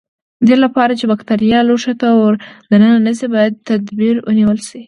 د دې لپاره چې بکټریا لوښي ته ور دننه نشي باید تدابیر ونیول شي.